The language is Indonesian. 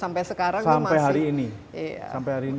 sampai sekarang itu masih